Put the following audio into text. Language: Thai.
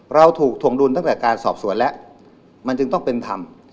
เราถูกถวงดุลตั้งแต่การสอบสวนแล้วมันจึงต้องเป็นธรรม